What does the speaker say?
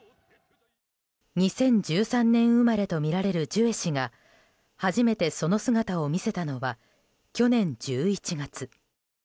２０１３年生まれとみられるジュエ氏が初めてその姿を見せたのは去年１１月。